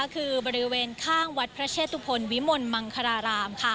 คือบริเวณข้างวัดพระเชตุพลวิมลมังคารารามค่ะ